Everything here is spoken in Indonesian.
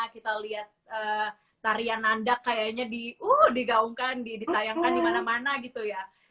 kita lihat tarian nandak kayaknya di gaungkan ditayangkan di mana mana gitu ya